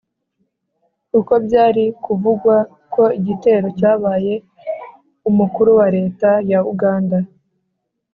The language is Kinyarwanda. kuko byari kuvugwa ko igitero cyabaye umukuru wa leta ya uganda